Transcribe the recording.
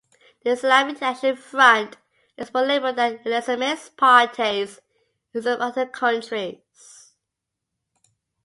The Islamic Action Front is more liberal than Islamist parties in some other countries.